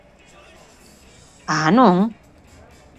¿¡Ah!, non?